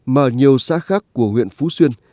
mà nhiều xã khác của huyện phú xuyên